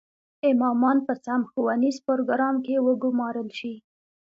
امامان په سم ښوونیز پروګرام کې وګومارل شي.